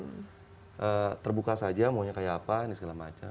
nah terbuka saja maunya kayak apa ini segala macam